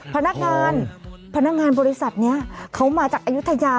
พนักงานพนักงานบริษัทนี้เขามาจากอายุทยา